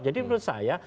jadi menurut saya